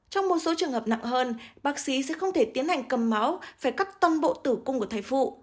trong một số trường hợp nặng hơn bác sĩ sẽ không thể tiến hành cầm máu phải cắt toàn bộ tử cung của thai phụ